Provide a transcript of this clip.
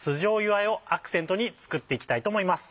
あえをアクセントに作っていきたいと思います。